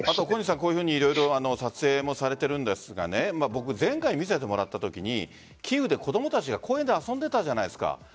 小西さん、こういうふうに色々撮影もされているんですが僕、前回見せてもらったときにキーウで子供たちが公園で遊んでいたじゃないですか。